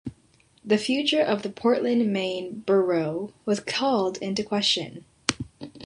The future of the Portland, Maine bureau was called into question.